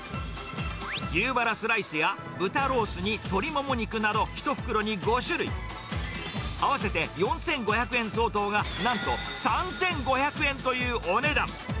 牛バラスライスや豚ロースに鶏モモ肉など、１袋に５種類、合わせて４５００円相当が、なんと３５００円というお値段。